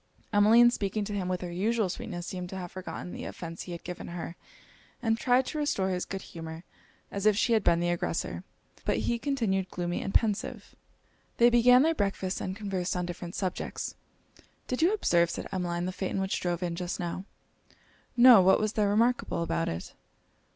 Emmeline speaking to him with her usual sweetness, seemed to have forgotten the offence he had given her, and tried to restore his good humour as if she had been the aggressor: but he continued gloomy and pensive. They began their breakfast, and conversed on different subjects. 'Did you observe,' said Emmeline, 'the phaeton which drove in just now?' 'No what was there remarkable about it?'